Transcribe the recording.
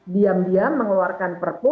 diam diam mengeluarkan perpu